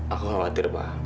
aku khawatir pak